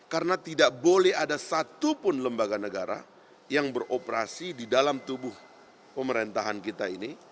karena tidak boleh ada satupun lembaga negara yang beroperasi di dalam tubuh pemerintahan kita ini